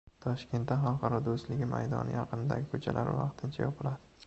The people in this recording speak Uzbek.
Toshkentda Xalqlar do‘stligi maydoni yaqinidagi ko‘chalar vaqtincha yopiladi